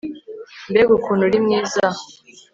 mbega ukuntu uri mwiza